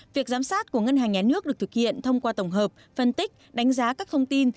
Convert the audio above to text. việc giám sát của ngân hàng nhà nước được thực hiện thông qua tổng hợp phân tích đánh giá các thông tin